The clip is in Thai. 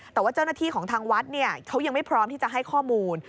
แต่ว่าเจ้าหน้าที่ของทางวัดเขายังไม่พร้อมที่จะให้ข้อมูล